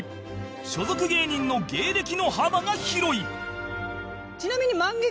所属芸人の芸歴の幅が広い